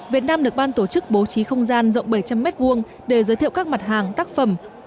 việt nam được ban tổ chức bố trí không gian rộng bảy trăm linh m hai để giới thiệu các mặt hàng tác phẩm